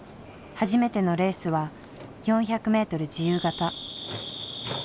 初めてのレースは４００ｍ自由形。